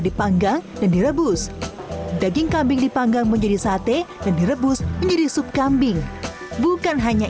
dipanggang dan direbus daging kambing dipanggang menjadi sate dan direbus menjadi sup kambing bukan hanya